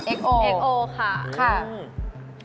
เอกโอเอกโอค่ะอืมค่ะ